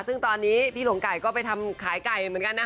ซึ่งตอนนี้พี่หลวงไก่ก็ไปทำขายไก่เหมือนกันนะ